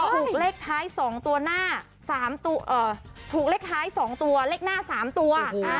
ถูกเลขท้าย๒ตัวเลขหน้า๓ตัว